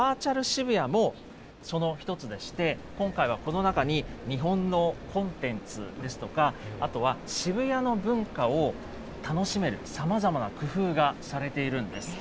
渋谷もその一つでして、今回はこの中に、日本のコンテンツですとか、あとは渋谷の文化を楽しめるさまざまな工夫がされているんです。